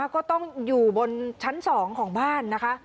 ก็ต้องอยู่บนชั้น๒ของบ้านนะคะ